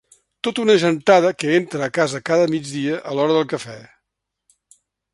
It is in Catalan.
Tota una gentada que entra a casa cada migdia, a l'hora del cafè.